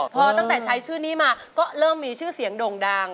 พอตั้งแต่ใช้ชื่อนี้มาก็เริ่มมีชื่อเสียงโด่งดัง